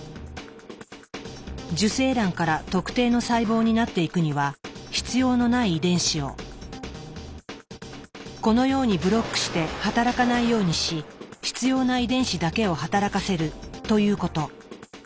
受精卵から特定の細胞になっていくには必要のない遺伝子をこのようにブロックして働かないようにし必要な遺伝子だけを働かせるということ。